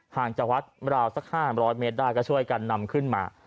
จากวัดราวสัก๕๐๐เมตรได้ก็ช่วยกันนำขึ้นมา